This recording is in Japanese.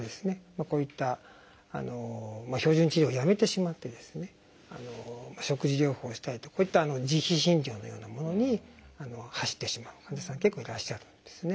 こういった標準治療をやめてしまって食事療法をしたりとかこういった自費診療のようなものに走ってしまう患者さん結構いらっしゃるんですね。